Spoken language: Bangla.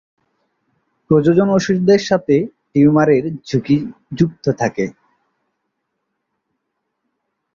প্রজনন ওষুধের সাথে টিউমারের ঝুঁকি যুক্ত থাকে।